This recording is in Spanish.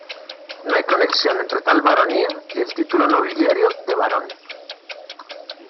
No hay conexión entre tal baronía y el título nobiliario de Barón.